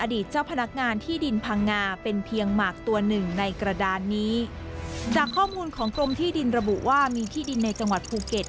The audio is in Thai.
เจ้าพนักงานที่ดินพังงาเป็นเพียงหมากตัวหนึ่งในกระดานนี้จากข้อมูลของกรมที่ดินระบุว่ามีที่ดินในจังหวัดภูเก็ต